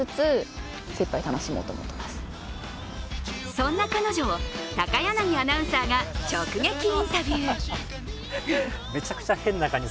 そんな彼女を高柳アナウンサーが直撃インタビュー。